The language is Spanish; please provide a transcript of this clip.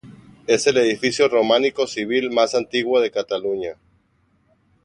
Es el edificio románico civil "más antiguo de Cataluña".